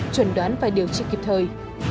chuẩn đoán phải điều trị kịp thời